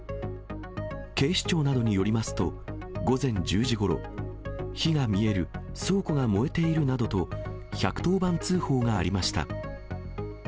警視庁などによりますと、午前１０時ごろ、火が見える、倉庫が燃えているなどと、１１０番通報がありました。